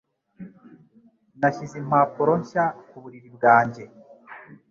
Nashyize impapuro nshya ku buriri bwanjye.